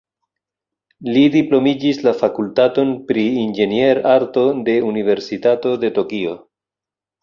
Li diplomiĝis la fakultaton pri inĝenierarto de Universitato de Tokio.